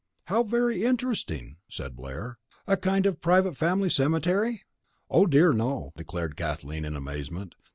"How very interesting!" said Blair. "A kind of private family cemetery?" "Oh, dear no," declared Kathleen in amazement.